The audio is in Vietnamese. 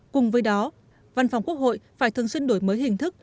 cùng với đó văn phòng quốc hội phải thường xuyên đổi mới hình thức